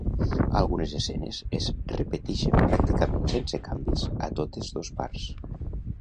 Algunes escenes es repetixen pràcticament sense canvis a totes dos parts.